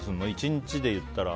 １日で言ったら。